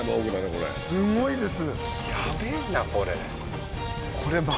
これすごいです